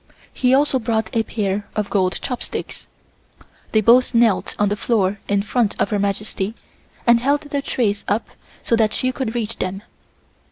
He also brought a pair of gold chopsticks. They both knelt on the floor in front of Her Majesty and held the trays up so that she could reach them.